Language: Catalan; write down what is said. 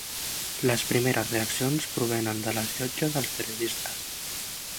Les primeres reaccions provenen de les llotges dels periodistes.